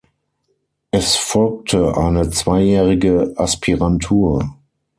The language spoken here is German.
Es folgte eine zweijährige Aspirantur.